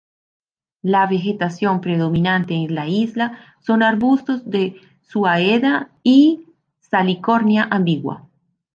La vegetación predominante en la isla son arbustos de "Suaeda" y "Salicornia ambigua".